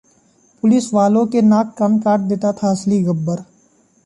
police वालों के नाक-कान काट लेता था असली गब्बर